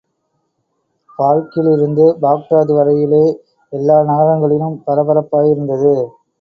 பால்க்கிலிருந்து பாக்தாது வரையிலே எல்லா நகரங்களிலும் பரபரப்பாயிருந்தது.